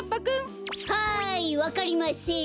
はいわかりません。